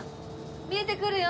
見えてくるよ！